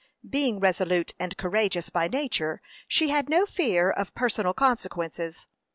Being resolute and courageous by nature, she had no fear of personal consequences.